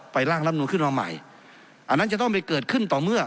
ร่างรับนูนขึ้นมาใหม่อันนั้นจะต้องไปเกิดขึ้นต่อเมื่อ